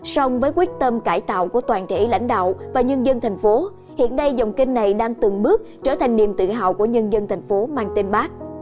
sông với quyết tâm cải tạo của toàn thể lãnh đạo và nhân dân thành phố hiện nay dòng kênh này đang từng bước trở thành niềm tự hào của nhân dân thành phố mang tên bác